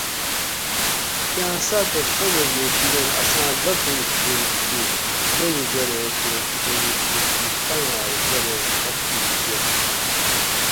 کاۤں ساۤتہ شازادگے تِلینت اساۤں لاڄِھیم کُھور تھی لوؤ زریں تے کھوری کُھور تھی پۤنر زریں خختی نِکینت